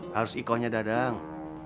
harus iko nya dadang